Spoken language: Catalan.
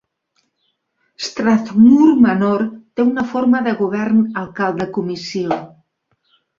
Strathmoor Manor té un forma de govern alcalde-comissió.